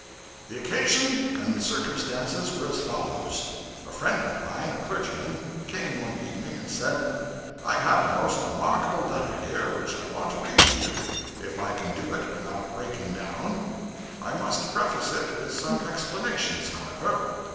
The occasion and the circumstances were as follows. A friend of mine, a clergyman, came one evening and said 'I have a most remarkable letter here, which I want to read to you, if I can do it without breaking down. I must preface it with some explanations, however.